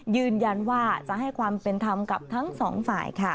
ยืนยันว่าจะให้ความเป็นธรรมกับทั้งสองฝ่ายค่ะ